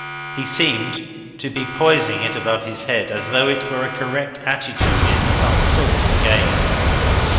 He seemed to be poising it above his head, as though it were a correct attitude in some sort of game.